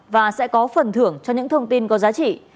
hãy bỏ phần thưởng cho những thông tin có giá trị